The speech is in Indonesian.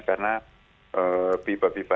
karena itu juga yang kita lakukan